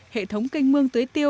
hệ thống canh mương tới tiêu